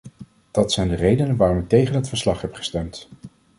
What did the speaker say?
Dat zijn de redenen waarom ik tegen het verslag heb gestemd.